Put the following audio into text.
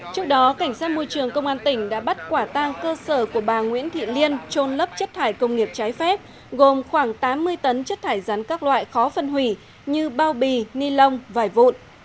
trước đó cảnh sát môi trường công an tỉnh đã bắt quả tang cơ sở của bà nguyễn thị liên trôn lấp chất thải công nghiệp trái phép gồm khoảng tám mươi tấn chất thải rắn các loại khó phân hủy như bao bì ni lông vải vụn